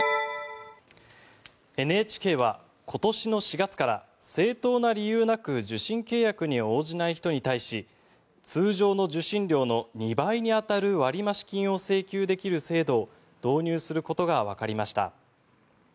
ＮＨＫは今年の４月から正当な理由なく受信契約に応じない人に対し通常の受信料の２倍に当たる割増金を請求できる制度を導入することがわかりました。